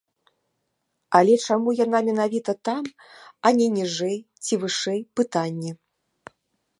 Але чаму яна менавіта там, а не ніжэй ці вышэй, пытанне.